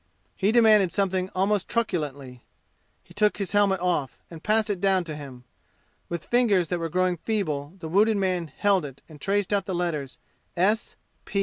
He demanded something almost truculently. He took his helmet off and passed it down to him. With fingers that were growing feeble the wounded man held it and traced out the letters S.